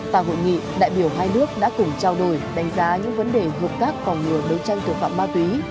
tại hội nghị đại biểu hai nước đã cùng trao đổi đánh giá những vấn đề hợp tác phòng ngừa đấu tranh thủ phạm ma túy